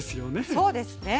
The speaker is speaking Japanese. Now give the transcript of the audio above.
そうですね。